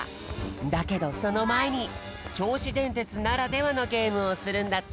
だけどそのまえにちょうしでんてつならではのゲームをするんだって。